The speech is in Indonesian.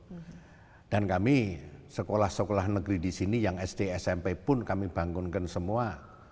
jadi kami sekolah sekolah negeri di sini yang sd smp pun kami bangunkan semua